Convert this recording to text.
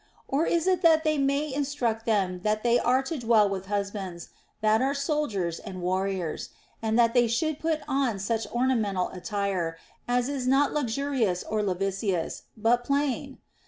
Or is it that they may instruct them that they are to dwell with husbands that are soldiers and warriors, and that they should put on such ornamental attire as is not luxurious or lascivious, but plain